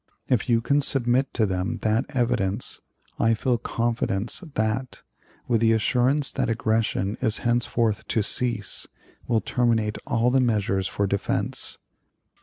If you can submit to them that evidence, I feel confidence that, with the assurance that aggression is henceforth to cease, will terminate all the measures for defense.